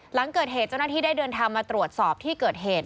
หลังเกิดเหตุเจ้าหน้าที่ได้เดินทางมาตรวจสอบที่เกิดเหตุ